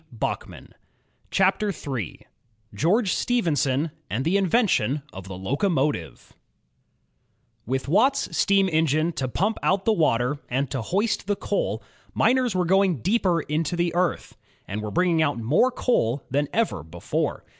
DfVKNTOftS AM) INVENTZ0II8— 4 GEORGE STEPHENSON AND THE INVENTION OF THE LOCOMOTIVE With Watt's steam engine to pump out the water and to hoist the coal, miners were going deeper into the earth, and were bringing out more coal than ever before.